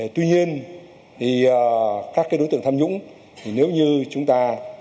tuy nhiên các đối tượng tham nhũng nếu như chúng ta